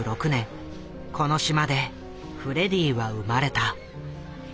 この島でフレディは生まれた。